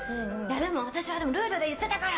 でも、私はルールで言ってたから！